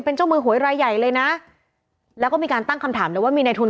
เป็นช่วยเพราะไวไหมนะแล้วก็มีการตั้งคำถามว่ามีในพูด